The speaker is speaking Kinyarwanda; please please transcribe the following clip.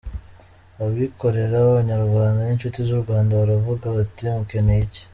Abikorera b’abanyarwanda n’inshuti z’u Rwanda baravuga bati mukeneye iki ?